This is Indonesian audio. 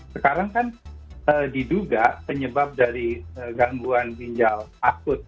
sekarang kan diduga penyebab dari gangguan ginjal akut